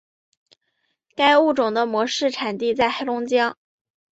该物种的模式产地在黑龙江。